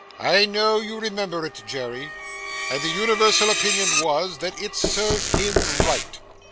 'I know you remember it, Jerry, and the universal opinion was, that it served him right.